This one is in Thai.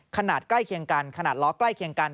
ใกล้เคียงกันขนาดล้อใกล้เคียงกัน